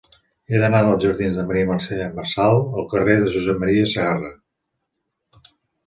He d'anar dels jardins de Maria Mercè Marçal al carrer de Josep M. de Sagarra.